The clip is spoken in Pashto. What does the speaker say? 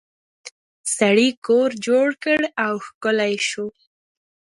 سړي کور جوړ کړ او ښکلی شو.